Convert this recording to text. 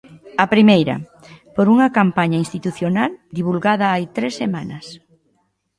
A primeira, por unha campaña institucional divulgada hai tres semanas.